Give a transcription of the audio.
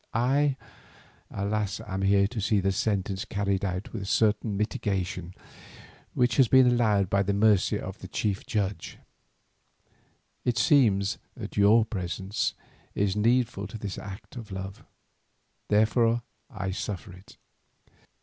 I, alas, am here to see the sentence carried out with a certain mitigation which has been allowed by the mercy of her chief judge. It seems that your presence is needful to this act of love, therefore I suffer it.